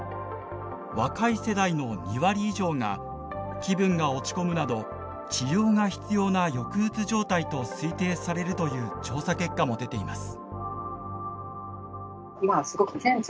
若い世代の２割以上が気分が落ち込むなど「治療が必要な抑うつ状態」と推定されるという調査結果も出ています。